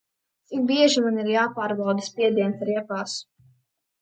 Cik bieži man ir jāpārbauda spiediens riepās?